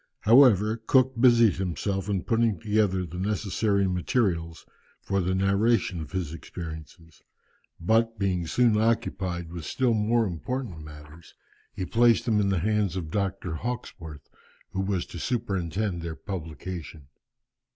However, Cook busied himself in putting together the necessary materials for the narration of his experiences; but, being soon occupied with still more important matters, he placed them in the hands of Dr. Hawkesworth, who was to superintend their publication.